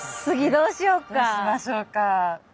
どうしましょうか。